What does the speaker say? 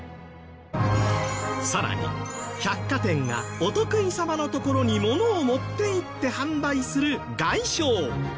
さらに百貨店がお得意様のところに物を持っていって販売する外商。